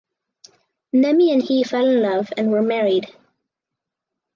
Nemi and he fell in love and were married.